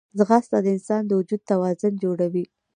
ځغاسته د انسان د وجود توازن جوړوي